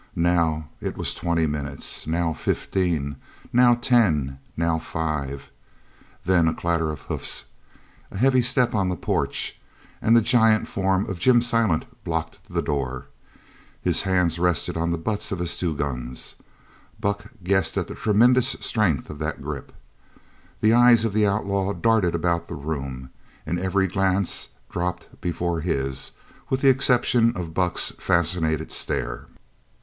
Now it was twenty minutes, now fifteen, now ten, now five; then a clatter of hoofs, a heavy step on the porch, and the giant form of Jim Silent blocked the door. His hands rested on the butts of his two guns. Buck guessed at the tremendous strength of that grip. The eyes of the outlaw darted about the room, and every glance dropped before his, with the exception of Buck's fascinated stare.